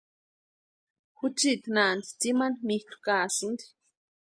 Juchiti naanti tsimani mitʼu kaasïnti.